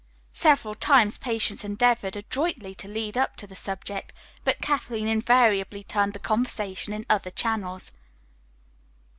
Several times Patience endeavored adroitly to lead up to the subject, but Kathleen invariably turned the conversation into other channels.